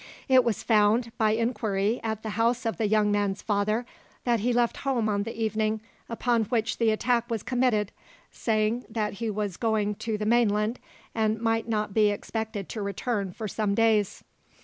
It was found, by inquiry at the house of the young man's father, that he left home on the evening upon which the attack was committed, saying that he was going to the mainland, and might not be expected to return for some days.